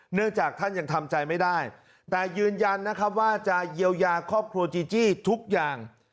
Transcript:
เนื่องจากท่านยังทำใจไม่ได้แต่ยืนยันนะครับว่าจะเยียวยาครอบครัวจีจี้ทุกอย่าง